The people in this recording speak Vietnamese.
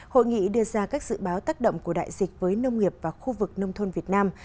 hội nghị đưa ra các dự báo tác động của đại dịch với nông nghiệp và khu vực nông thôn việt nam